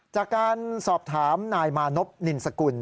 จากการสอบถามนายมานพนินสกุล